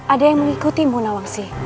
ada yang mengikutimu nawangsi